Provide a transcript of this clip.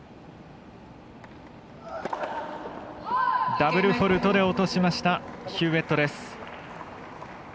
ダブルフォールトで落としましたヒューウェットです。